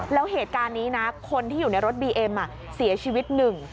แล้วเหตุการณ์นี้นะคนที่อยู่ในรถบีเอ็มเสียชีวิตหนึ่ง